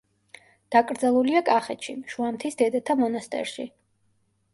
დაკრძალულია კახეთში, შუამთის დედათა მონასტერში.